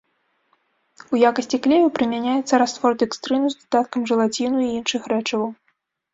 У якасці клею прымяняецца раствор дэкстрыну з дадаткам жэлаціну і іншых рэчываў.